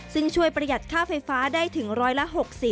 ซึ่งช่วยประหยัดค่าไฟฟ้าได้ถึงร้อยละ๖๐